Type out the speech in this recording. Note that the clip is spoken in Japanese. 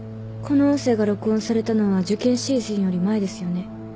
この音声が録音されたのは受験シーズンより前ですよね。